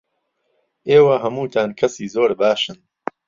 ئێوە هەمووتان کەسی زۆر باشن.